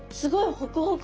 ホクホク！